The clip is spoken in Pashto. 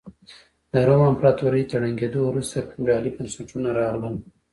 د روم امپراتورۍ تر ړنګېدو وروسته فیوډالي بنسټونه راغلل.